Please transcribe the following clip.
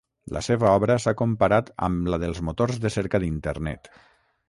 La seva obra s'ha comparat amb la dels motors de cerca d'internet.